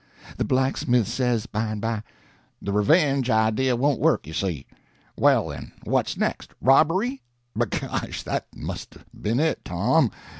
The blacksmith says, by and by: "The revenge idea won't work, you see. Well, then, what's next? Robbery? B'gosh, that must 'a' been it, Tom!